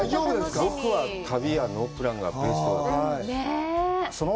僕は旅はノープランがベストだと思う。